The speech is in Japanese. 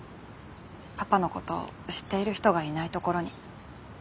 パパのことを知っている人がいない所に。